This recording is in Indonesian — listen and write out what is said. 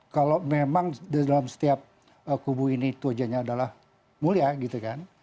kalau memang dalam setiap kubu ini tujuannya adalah mulia gitu kan